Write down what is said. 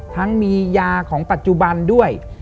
ยังมียาของปัจจุบันด้วย